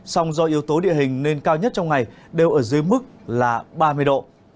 các yếu tố địa hình nên cao nhất trong ngày đều ở dưới mức là ba mươi độ